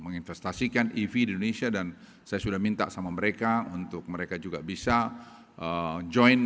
menginvestasikan ev di indonesia dan saya sudah minta sama mereka untuk mereka juga bisa join